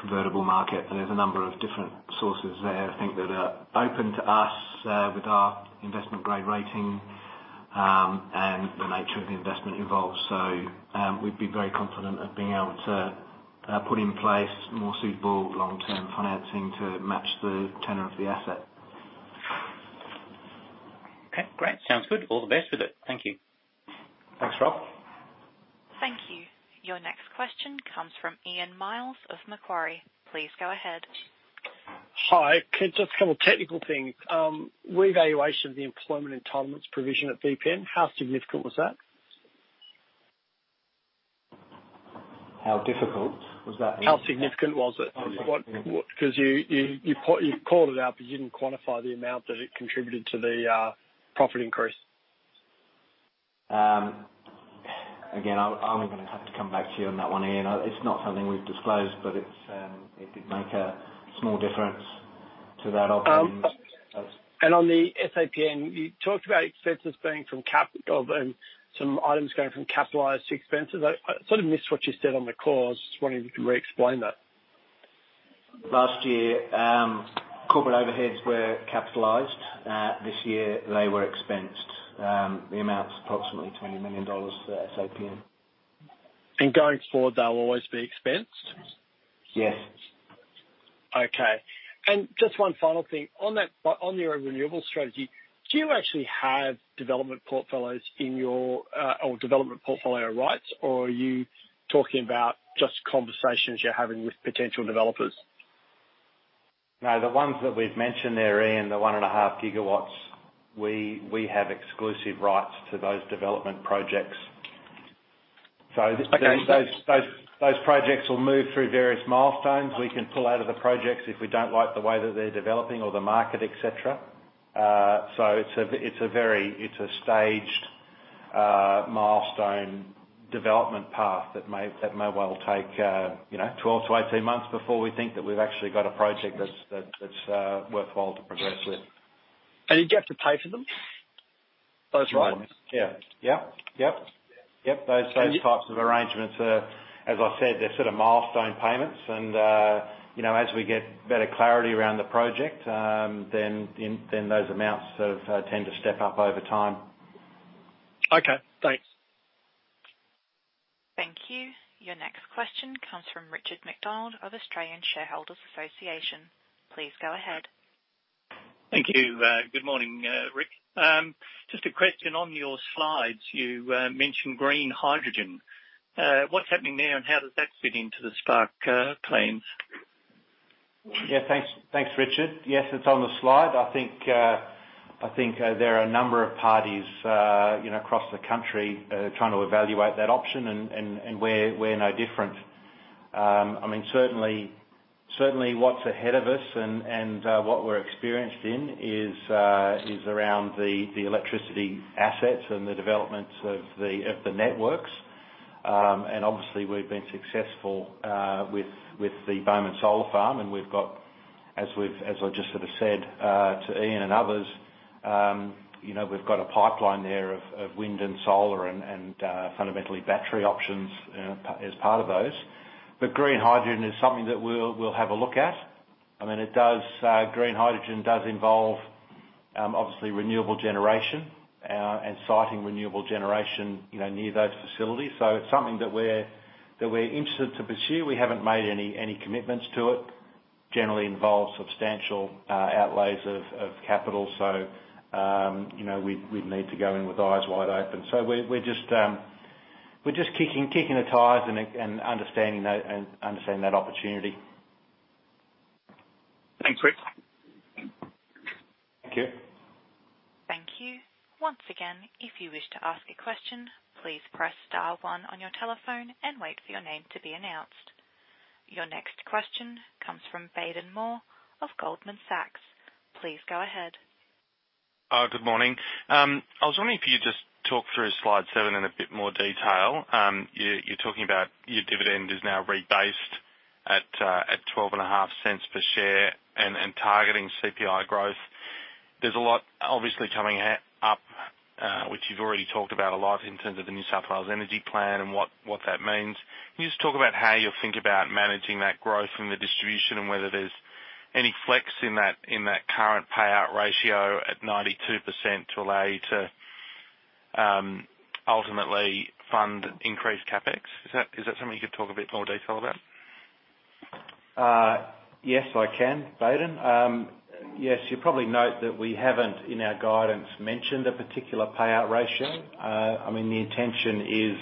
convertible market. There's a number of different sources there, I think, that are open to us, with our investment-grade rating, and the nature of the investment involved. We'd be very confident of being able to put in place more suitable long-term financing to match the tenor of the asset. Okay, great. Sounds good. All the best with it. Thank you. Thanks, Rob. Thank you. Your next question comes from Ian Myles of Macquarie. Please go ahead. Hi. Could I ask a couple of technical things? Revaluation of the employment entitlements provision at VPN, how significant was that? How difficult was that, Ian? How significant was it? Oh, yeah. You called it out, but you didn't quantify the amount that it contributed to the profit increase. Again, I'm going to have to come back to you on that one, Ian. It's not something we've disclosed, but it did make a small difference to that outcome. On the SAPN, you talked about some items going from capitalized to expenses. I sort of missed what you said on the call. I was just wondering if you could re-explain that. Last year, corporate overheads were capitalized. This year, they were expensed. The amount is approximately AUD 20 million for SAPN. Going forward, they'll always be expensed? Yes. Okay. Just one final thing. On your renewable strategy, do you actually have development portfolio rights, or are you talking about just conversations you're having with potential developers? No, the ones that we've mentioned there, Ian, the one and a half gigawatts, we have exclusive rights to those development projects. Okay. Those projects will move through various milestones. We can pull out of the projects if we don't like the way that they're developing or the market, et cetera. It's a staged, milestone development path that may well take 12 to 18 months before we think that we've actually got a project that's worthwhile to progress with. You have to pay for them? Those rights. Yeah. Those types of arrangements are, as I said, they're sort of milestone payments and as we get better clarity around the project, then those amounts sort of tend to step up over time. Okay. Thanks. Thank you. Your next question comes from Richard McDonald of Australian Shareholders' Association. Please go ahead. Thank you. Good morning, Rick. Just a question on your slides, you mentioned green hydrogen. What's happening there, and how does that fit into the Spark plans? Yeah, thanks, Richard. Yes, it's on the slide. I think there are a number of parties across the country trying to evaluate that option, and we're no different. Certainly what's ahead of us and what we're experienced in is around the electricity assets and the development of the networks. Obviously we've been successful with the Bomen Solar Farm and we've got, as I just said to Ian and others, we've got a pipeline there of wind and solar and fundamentally battery options as part of those. Green hydrogen is something that we'll have a look at. Green hydrogen does involve, obviously, renewable generation and siting renewable generation near those facilities. It's something that we're interested to pursue. We haven't made any commitments to it. Generally involves substantial outlays of capital, so we'd need to go in with eyes wide open. We're just kicking the tires and understanding that opportunity. Thanks, Rick. Thank you. Thank you. Once again if you wish to ask a question please press star one on your telephone and wait for your name to be announced. Your next question comes from Baden Moore of Goldman Sachs. Please go ahead. Good morning. I was wondering if you could just talk through slide seven in a bit more detail. You're talking about your dividend is now rebased at 0.125 per share and targeting CPI growth. There's a lot obviously coming up, which you've already talked about a lot in terms of the New South Wales energy plan and what that means. Can you just talk about how you think about managing that growth in the distribution and whether there's any flex in that current payout ratio at 92% to allow you to ultimately fund increased CapEx? Is that something you could talk a bit more detail about? Yes, I can, Baden. Yes, you probably note that we haven't, in our guidance, mentioned a particular payout ratio. The intention is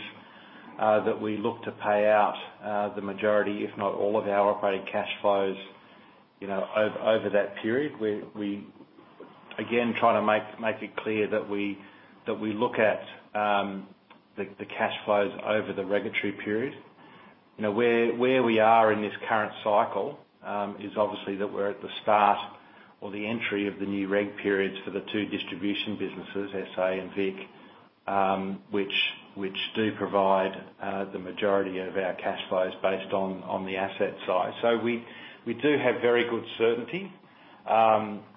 that we look to pay out the majority, if not all of our operating cash flows over that period. We again, try to make it clear that we look at the cash flows over the regulatory period. Where we are in this current cycle is obviously that we're at the start or the entry of the new reg periods for the two distribution businesses, SA and Vic which do provide the majority of our cash flows based on the asset side. We do have very good certainty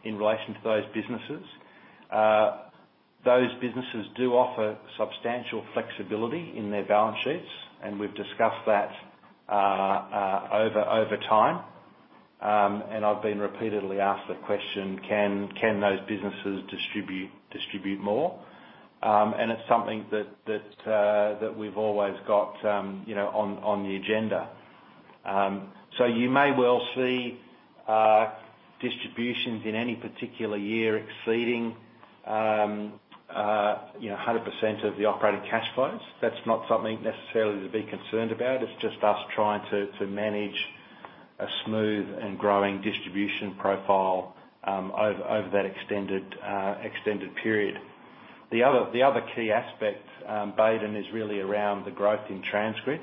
in relation to those businesses. Those businesses do offer substantial flexibility in their balance sheets, and we've discussed that over time. I've been repeatedly asked the question, "Can those businesses distribute more?" It's something that we've always got on the agenda. You may well see distributions in any particular year exceeding 100% of the operating cash flows. That's not something necessarily to be concerned about. It's just us trying to manage a smooth and growing distribution profile over that extended period. The other key aspect, Baden, is really around the growth in Transgrid.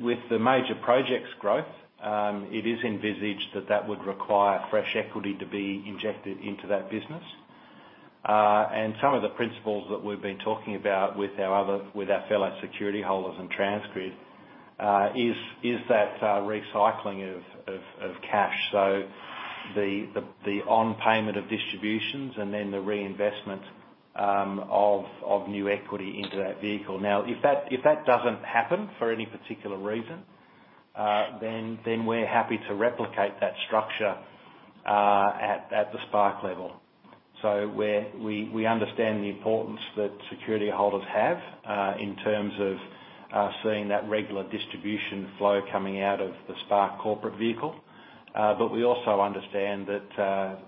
With the major projects growth, it is envisaged that that would require fresh equity to be injected into that business. Some of the principles that we've been talking about with our fellow security holders in Transgrid is that recycling of cash. The on payment of distributions and then the reinvestment of new equity into that vehicle. If that doesn't happen for any particular reason, then we're happy to replicate that structure at the Spark level. We understand the importance that security holders have in terms of seeing that regular distribution flow coming out of the Spark corporate vehicle. We also understand that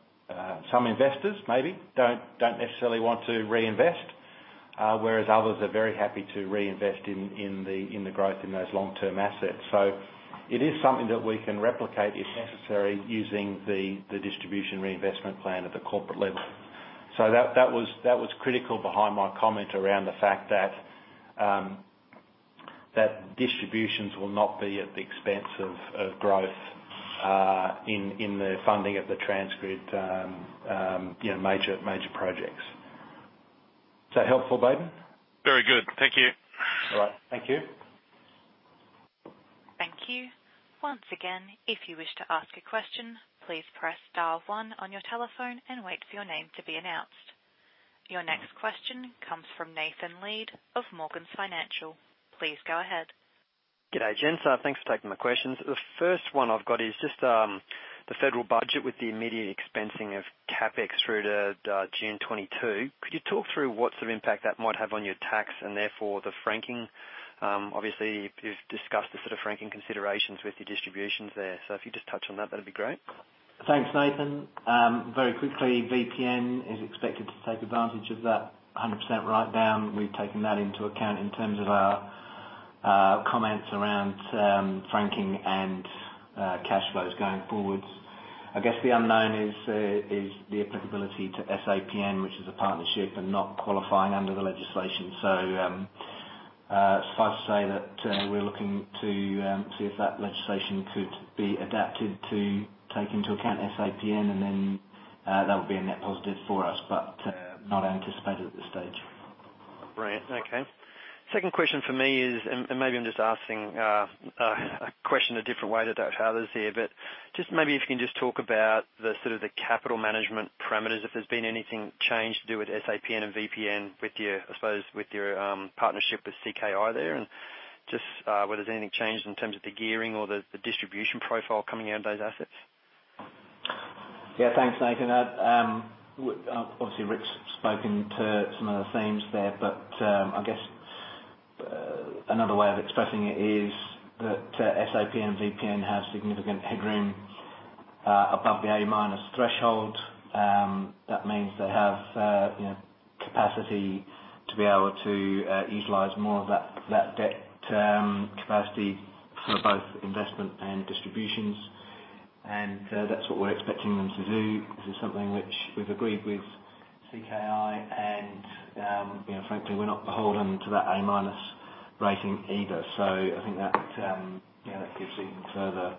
some investors maybe don't necessarily want to reinvest, whereas others are very happy to reinvest in the growth in those long-term assets. It is something that we can replicate if necessary, using the distribution reinvestment plan at the corporate level. That was critical behind my comment around the fact that distributions will not be at the expense of growth in the funding of the Transgrid major projects. Is that helpful, Baden? Very good. Thank you. All right. Thank you. Thank you. Once again if you wish to ask a question please press star one on your telephone and wait for your name to be announced. Your next question comes from Nathan Lead of Morgans Financial. Please go ahead. Good day, gents. Thanks for taking my questions. The first one I've got is just the federal budget with the immediate expensing of CapEx through to June 2022. Could you talk through what sort of impact that might have on your tax and therefore the franking? Obviously, you've discussed the sort of franking considerations with your distributions there. If you just touch on that'd be great. Thanks, Nathan. Very quickly, VPN is expected to take advantage of that 100% write-down. We've taken that into account in terms of our comments around franking and cash flows going forwards. I guess the unknown is the applicability to SAPN, which is a partnership and not qualifying under the legislation. Suffice to say that we're looking to see if that legislation could be adapted to take into account SAPN, and then that would be a net positive for us, but not anticipated at this stage. Right. Okay. Second question for me is. Maybe I'm just asking a question a different way than others here. Just maybe if you can just talk about the capital management parameters, if there's been anything changed to do with SAPN and VPN, I suppose, with your partnership with CKI there. Just whether there's anything changed in terms of the gearing or the distribution profile coming out of those assets? Thanks, Nathan. I guess another way of expressing it is that SAPN and VPN have significant headroom above the A-minus threshold. That means they have capacity to be able to utilize more of that debt capacity for both investment and distributions. That's what we're expecting them to do. This is something which we've agreed with CKI, frankly, we're not beholden to that A-minus rating either. I think that gives even further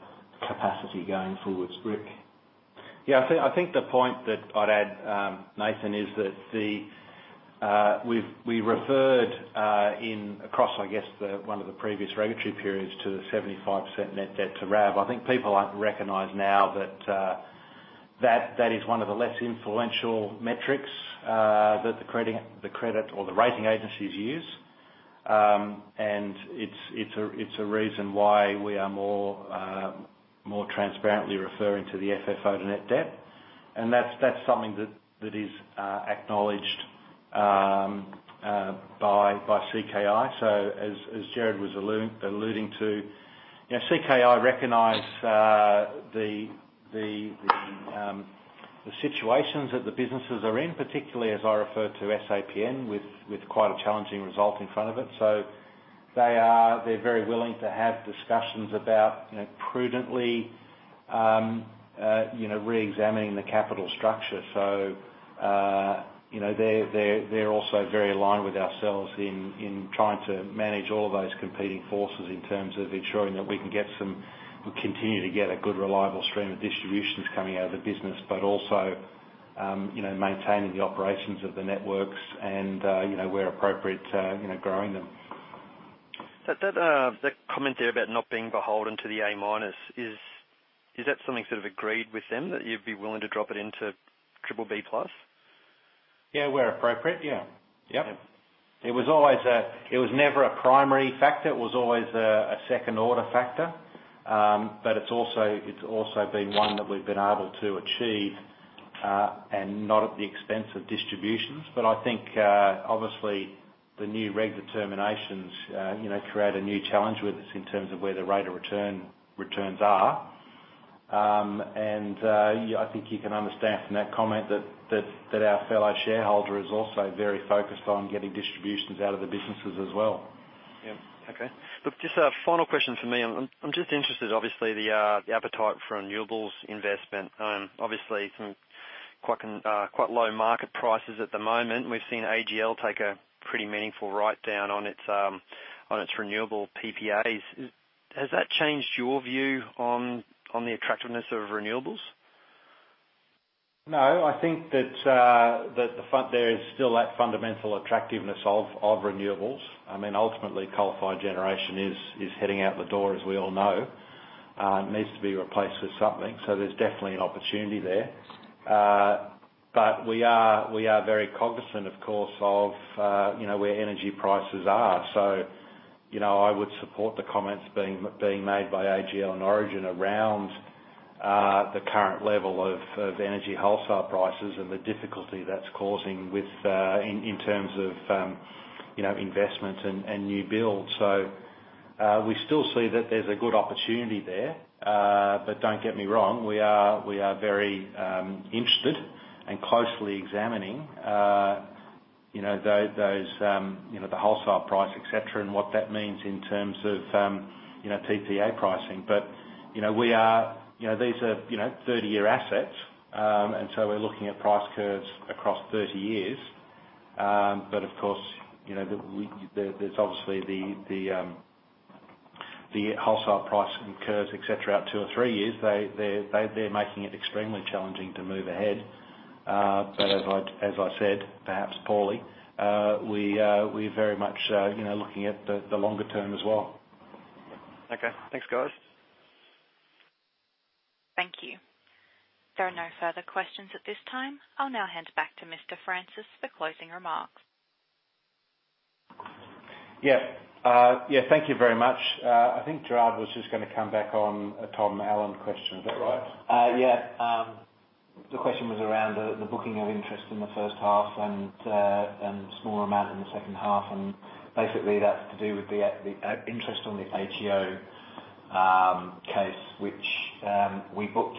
capacity going forward. Rick? Yeah, I think the point that I'd add, Nathan, is that we referred in across, I guess, one of the previous regulatory periods to the 75% net debt to RAB. I think people recognize now that that is one of the less influential metrics that the credit or the rating agencies use. It's a reason why we are more transparently referring to the FFO to net debt, and that's something that is acknowledged by CKI. As Gerard was alluding to, CKI recognize the situations that the businesses are in, particularly as I refer to SAPN with quite a challenging result in front of it. They're very willing to have discussions about prudently reexamining the capital structure. They're also very aligned with ourselves in trying to manage all of those competing forces in terms of ensuring that we continue to get a good, reliable stream of distributions coming out of the business, but also maintaining the operations of the networks and where appropriate, growing them. That comment there about not being beholden to the A-minus, is that something sort of agreed with them that you'd be willing to drop it into triple B plus? Yeah, where appropriate, yeah. Yep. It was never a primary factor. It was always a second-order factor. It's also been one that we've been able to achieve, and not at the expense of distributions. I think, obviously, the new reg determinations create a new challenge with us in terms of where the rate of returns are. I think you can understand from that comment that our fellow shareholder is also very focused on getting distributions out of the businesses as well. Yep. Okay. Look, just a final question from me. I'm just interested, obviously, the appetite for renewables investment. Obviously, some quite low market prices at the moment. We've seen AGL take a pretty meaningful write-down on its renewable PPAs. Has that changed your view on the attractiveness of renewables? No, I think that there is still that fundamental attractiveness of renewables. Ultimately, coal-fired generation is heading out the door, as we all know. It needs to be replaced with something. There's definitely an opportunity there. We are very cognizant, of course, of where energy prices are. I would support the comments being made by AGL and Origin around the current level of energy wholesale prices and the difficulty that's causing in terms of investment and new build. We still see that there's a good opportunity there. Don't get me wrong, we are very interested and closely examining the wholesale price, et cetera, and what that means in terms of PPA pricing. These are 30-year assets. We're looking at price curves across 30 years. Of course, there's obviously the wholesale price curves, et cetera, out two or three years. They're making it extremely challenging to move ahead. As I said, perhaps poorly, we're very much looking at the longer term as well. Okay. Thanks, guys. Thank you. There are no further questions at this time. I'll now hand back to Mr. Francis for closing remarks. Yeah. Thank you very much. I think Gerard was just going to come back on Tom Allen question. Is that right? Yeah. The question was around the booking of interest in the first half and a small amount in the second half, and basically that's to do with the interest on the ATO case, which we booked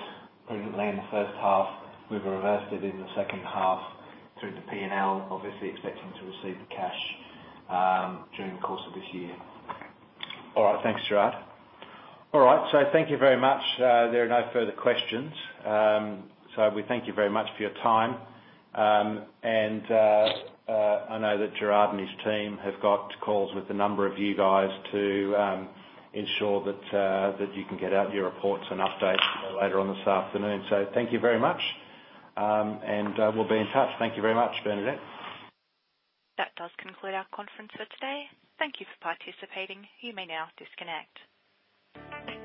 prudently in the first half. We've reversed it in the second half through the P&L, obviously expecting to receive the cash during the course of this year. All right. Thanks, Gerard. All right. Thank you very much. There are no further questions. We thank you very much for your time. I know that Gerard and his team have got calls with a number of you guys to ensure that you can get out your reports and updates later on this afternoon. Thank you very much. We'll be in touch. Thank you very much, Bernadette. That does conclude our conference for today. Thank you for participating. You may now disconnect.